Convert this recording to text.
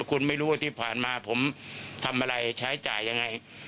คุณไม่รู้ว่าที่ผ่านมาผมทำอะไรใช้จ่ายยังไง